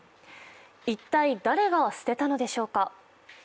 一体誰が捨てたのでしょうか。